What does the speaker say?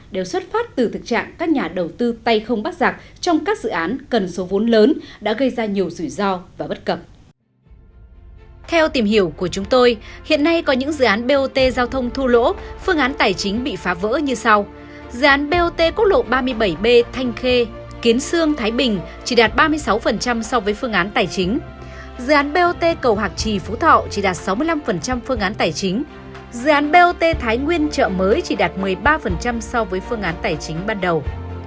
dự án bot thái nguyên chợ mới chỉ đạt một mươi ba so với phương án tài chính ban đầu